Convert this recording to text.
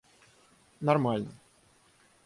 нормально